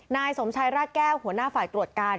นายสมชัยราชแก้วหัวหน้าฝ่ายตรวจการ